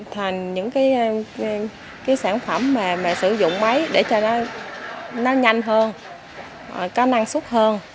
thành những cái sản phẩm mà sử dụng máy để cho nó nhanh hơn có năng suất hơn